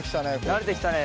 慣れてきたね。